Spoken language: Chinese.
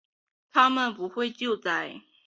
他们不会救灾